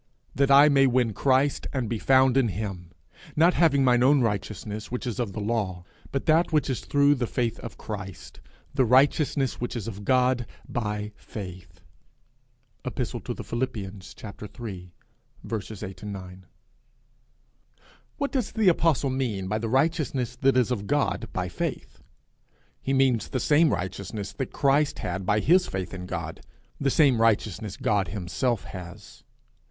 _that I may win Christ, and be found in him, not having mine own righteousness, which is of the law, but that which is through the faith of Christ, the righteousness which is of God by faith_. Ep. to the Philippians iii. 8, 9. What does the apostle mean by the righteousness that is of God by faith? He means the same righteousness Christ had by his faith in God, the same righteousness God himself has.